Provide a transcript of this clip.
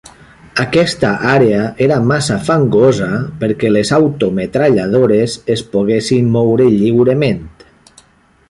Aquesta àrea era massa fangosa perquè les autometralladores es poguessin moure lliurement.